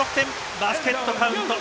バスケットカウント。